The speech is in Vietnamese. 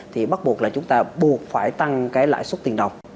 thì bắt buộc là chúng ta buộc phải tăng cái lãi suất tiền đồng